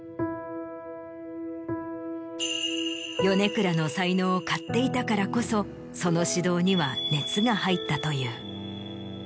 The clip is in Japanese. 米倉の才能を買っていたからこそその指導には熱が入ったという。